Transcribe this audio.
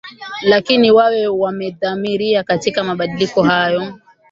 lakini wawe wamedhamiria katika mabadiliko hayo